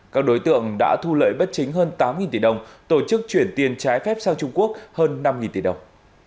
các đối tượng đã thu lợi bất chính hơn tám tỷ đồng tổ chức chuyển tiền trái phép sang trung quốc hơn năm tỷ đồng